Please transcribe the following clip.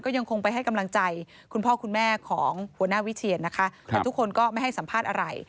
ยังคงไปให้กำลังใจคุณพ่อคุณแม่ของหัวหน้าวิเชียนนะคะแต่ทุกคนก็ไม่ให้สัมภาษณ์อะไร